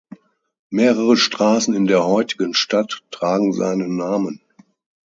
Mehrere Straßen in der heutigen Stadt tragen seinen Namen.